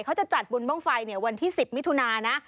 เขาจะจัดบุญบ้างไฟวันที่๑๐มิถุนานะ